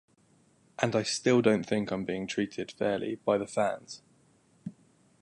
And I still don't think I'm being treated fairly by the fans.